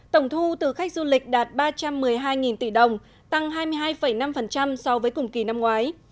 tổng thu từ khách du lịch đạt ba trăm một mươi hai tỷ đồng tăng hai mươi hai năm so với cùng kỳ năm ngoái